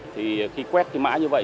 thì khi quét cái mã như vậy